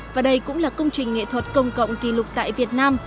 và đây cũng là công trình nghệ thuật công cộng kỷ lục tại việt nam